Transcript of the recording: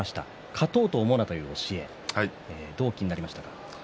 勝とうと思うなという教えどうお聞きになりましたか？